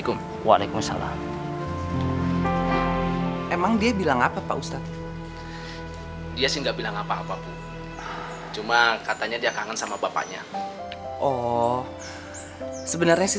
kita kan pakad kita sendiri